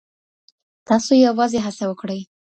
تاسو یوازي هڅه وکړئ.